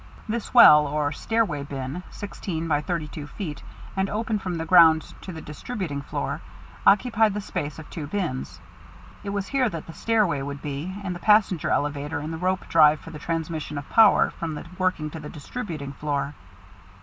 This well, or "stairway bin," sixteen by thirty two feet, and open from the ground to the distributing floor, occupied the space of two bins. It was here that the stairway would be, and the passenger elevator, and the rope drive for the transmission of power from the working to the distributing floor.